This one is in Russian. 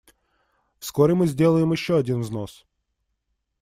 Вскоре мы сделаем еще один взнос.